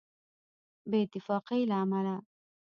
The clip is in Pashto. بې اتفاقۍ له امله.